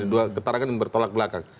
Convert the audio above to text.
dua keterangan dan bertolak belakang